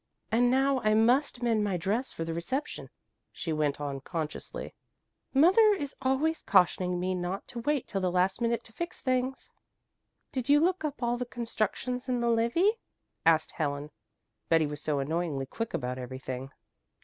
"And now I must mend my dress for the reception," she went on consciously. "Mother is always cautioning me not to wait till the last minute to fix things." "Did you look up all the constructions in the Livy?" asked Helen. Betty was so annoyingly quick about everything.